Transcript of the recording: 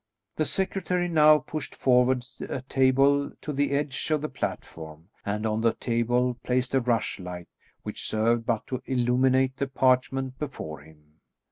The secretary now pushed forward a table to the edge of the platform, and on the table placed a rush light which served but to illuminate the parchment before him.